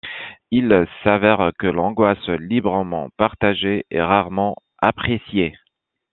Il s'avère que l'angoisse librement partagée est rarement appréciée.